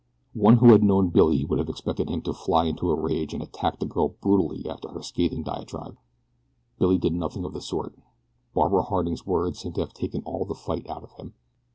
One who had known Billy would have expected him to fly into a rage and attack the girl brutally after her scathing diatribe. Billy did nothing of the sort. Barbara Harding's words seemed to have taken all the fight out of him.